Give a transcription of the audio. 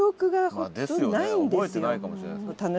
覚えてないかもしれない。